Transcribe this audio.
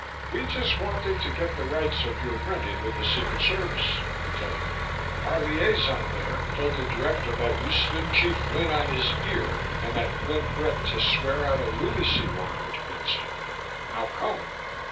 "We just wanted to get the rights of your run in with the Secret Service," he told me. "Our liaison there told the Director that you stood Chief Flynn on his ear and that Flynn threatened to swear out a lunacy warrant against you. How come?"